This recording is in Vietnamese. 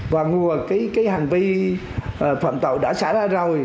và cái hành vi phạm tội đã xảy ra rồi